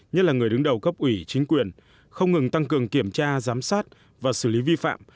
nhất là người đứng đầu cấp ủy chính quyền không ngừng tăng cường kiểm tra giám sát và xử lý vi phạm